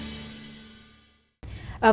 hội nhập kinh tế